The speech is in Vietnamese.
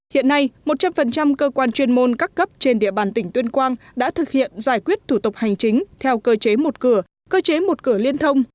hiện nay một trăm linh cơ quan chuyên môn các cấp trên địa bàn tỉnh tuyên quang đã thực hiện giải quyết thủ tục hành chính theo cơ chế một cửa cơ chế một cửa liên thông